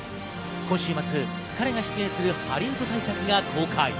そして、今週末、彼が出演するハリウッド大作が公開。